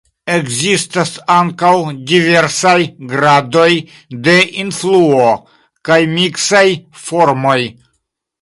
Ekzistas ankaŭ diversaj gradoj de influo kaj miksaj formoj.